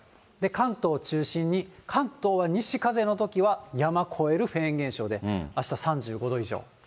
関東中心に関東は西風のときは山越えるフェーン現象で、あした３５度以上。